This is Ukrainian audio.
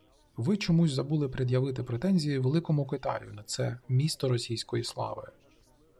Ви чомусь забули пред'явити претензії великому Китаю на це «місто російської слави»